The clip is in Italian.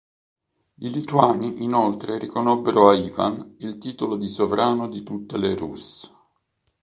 I lituani inoltre riconobbero a Ivan il titolo di "sovrano di tutte le Rus"'.